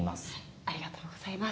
ありがとうございます。